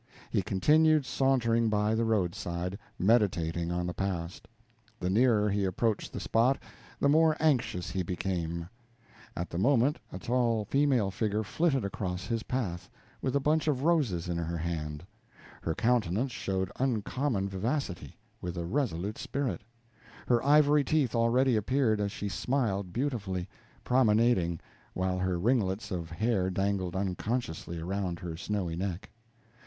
He continued sauntering by the roadside, meditating on the past. The nearer he approached the spot, the more anxious he became. At the moment a tall female figure flitted across his path, with a bunch of roses in her hand; her countenance showed uncommon vivacity, with a resolute spirit; her ivory teeth already appeared as she smiled beautifully, promenading while her ringlets of hair dangled unconsciously around her snowy neck.